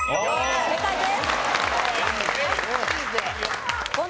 正解です。